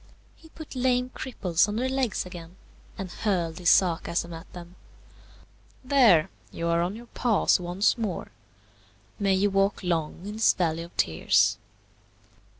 He put lame cripples on their legs again, and hurled this sarcasm at them, "There, you are on your paws once more; may you walk long in this valley of tears!"